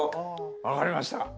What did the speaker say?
分かりました。